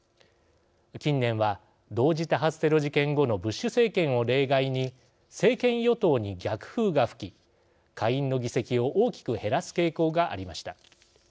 近年は同時多発テロ事件後のブッシュ政権を例外に政権与党に逆風が吹き下院の議席を大きく減らす傾向がありました。